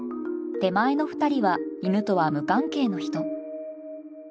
手前の２人は犬とは無関係の人。